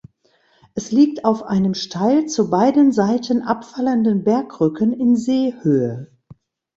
Es liegt auf einem steil zu beiden Seiten abfallenden Bergrücken in Seehöhe.